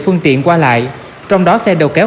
phương tiện qua lại trong đó xe đầu kéo